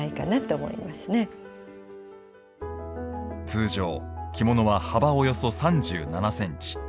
通常、着物は幅およそ３７センチ